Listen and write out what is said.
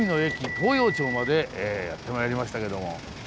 東洋町までやってまいりましたけども。